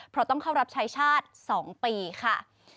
เพราะต้องเข้ารับชายชาติ๒ปีค่ะ